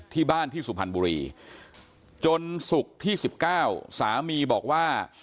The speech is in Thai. ที่บ้านที่สุพรรณบุรีจนศุกร์ที่๑๙สามีบอกว่า